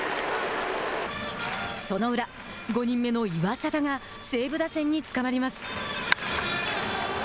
その裏、５人目の岩貞が西武打線につかまります。